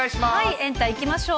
エンタいきましょう。